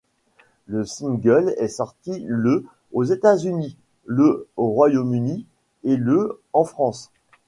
Le single est sorti le aux États-Unis, le au Royaume-Uni et le en France.